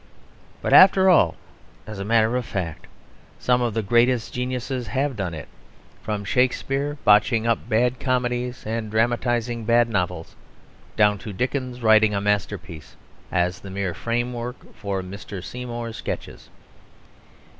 But after all, as a matter of fact, some of the greatest geniuses have done it, from Shakespeare botching up bad comedies and dramatising bad novels down to Dickens writing a masterpiece as the mere framework for a Mr. Seymour's sketches.